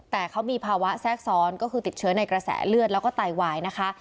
แต่เขามีภาวะแทรกซ้อนก็คือติดเชื้อในกระแสเลือดแล้วก็ไตวายนะคะ